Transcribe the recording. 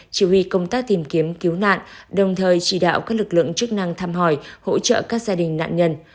chỉ huy công tác tìm kiếm cứu nạn đồng thời chỉ đạo các lực lượng chức năng thăm hỏi hỗ trợ các gia đình nạn nhân